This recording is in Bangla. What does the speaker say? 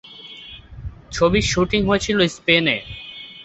ছবির শ্যুটিং হয়েছিল স্পেনে।